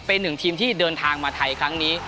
เป็นหนึ่งทีมที่เดินทางมาไทยครั้งนี้